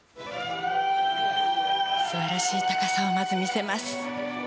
素晴らしい高さをまず見せます。